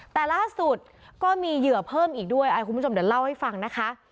แต่ล่าสุดก็มีเหยื่อเพิ่มอีกด้วยคุณผู้ชมเดี๋ยวเล่าให้ฟังนะคะ